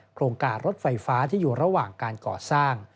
โครงการรถไฟฟ้าที่อยู่ระหว่างการก่อสร้าง